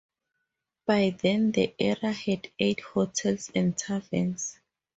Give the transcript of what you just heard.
By then, the area had eight hotels and taverns.